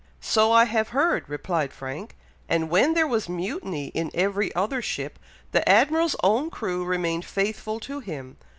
"So I have heard!" replied Frank; "and when there was mutiny in every other ship, the Admiral's own crew remained faithful to him.